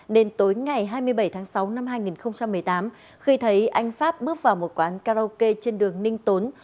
nên tối ngày hai mươi bảy tháng sáu năm hai nghìn một mươi tám khi thấy anh pháp bước vào một quán karaoke trên đường ninh tốn